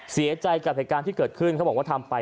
เสียใจกับเหตุการณ์ที่เกิดขึ้นเขาบอกว่าทำไป